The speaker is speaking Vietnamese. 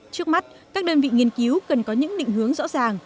trước mắt các đơn vị nghiên cứu cần có những định hướng rõ ràng